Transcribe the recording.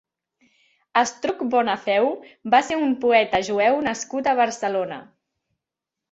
Astruc Bonafeu va ser un poeta jueu nascut a Barcelona.